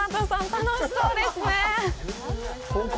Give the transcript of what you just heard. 楽しそうですね！